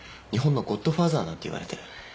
日本のゴッドファーザーなんていわれてる。